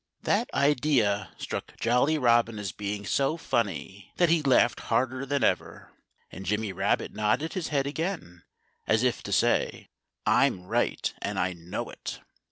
That idea struck Jolly Robin as being so funny that he laughed harder than ever. And Jimmy Rabbit nodded his head again, as if to say, "I'm right and I know it!"